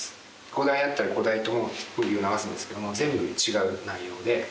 ５台あったら５台ともムービーを流すんですけども全部違う内容で。